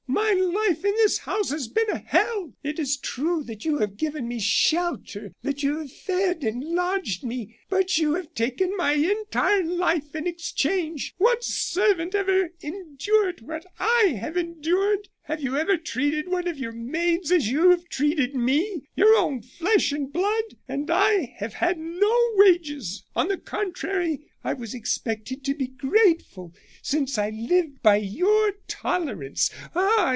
My life in this house has been a hell. It is true that you have given me shelter that you have fed and lodged me; but you have taken my entire life in exchange. What servant ever endured what I have endured? Have you ever treated one of your maids as you have treated me, your own flesh and blood? And I have had no wages; on the contrary, I was expected to be grateful since I lived by your tolerance. Ah!